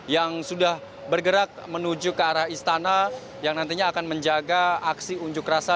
yang sudah bergerak menuju ke arah istana yang nantinya akan menjaga aksi unjuk rasa